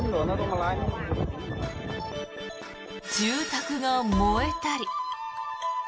住宅が燃えたり。